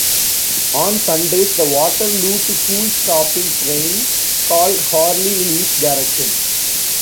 On Sundays the Waterloo to Poole stopping trains call hourly in each direction.